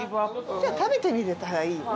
じゃあ食べてみれたらいいよね。